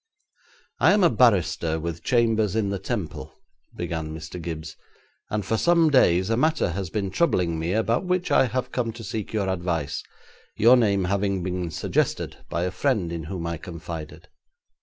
'I am a barrister with chambers in the Temple,' began Mr. Gibbes, 'and for some days a matter has been troubling me about which I have now come to seek your advice, your name having been suggested by a friend in whom I confided.'